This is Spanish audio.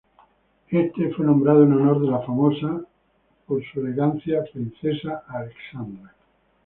Este fue nombrado en honor de la famosa por su elegancia Princesa Alexandra.